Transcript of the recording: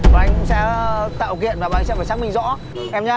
bọn anh cũng sẽ tạo kiện và bọn anh sẽ phải xác minh rõ